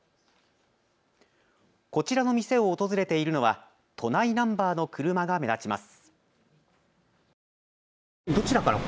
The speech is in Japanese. こちらの店を訪れているのは都内ナンバーの車が目立ちます。